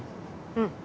うん。